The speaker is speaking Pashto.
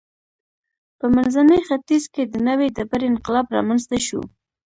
په منځني ختیځ کې د نوې ډبرې انقلاب رامنځته شو.